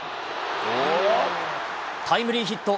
タイムリーヒット。